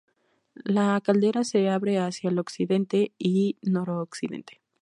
La caldera se abre hacia el occidente y noroccidente.